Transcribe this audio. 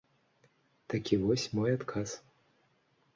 Такі вось мой адказ.